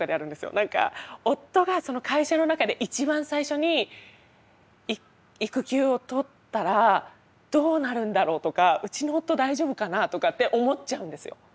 何か夫が会社の中で一番最初に育休を取ったらどうなるんだろうとかうちの夫大丈夫かなとかって思っちゃうんですよ。